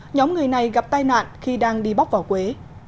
nhóm người này gặp tai nạn khi đang đi bóc vào quế